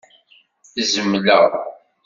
Zemleɣ?